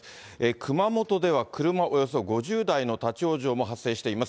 熊本では、車およそ５０台の立往生も発生しています。